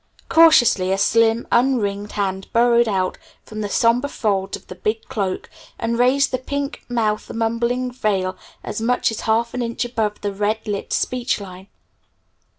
Cautiously a slim, unringed hand burrowed out from the somber folds of the big cloak, and raised the pink mouth mumbling veil as much as half an inch above the red lipped speech line.